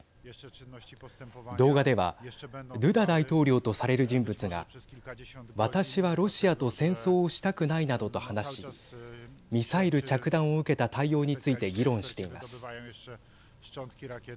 動画ではドゥダ大統領とされる人物が私は、ロシアと戦争をしたくないなどと話しミサイル着弾を受けた対応について議論しています。